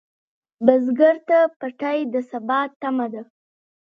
بزګر ته پټی د سبا تمه ده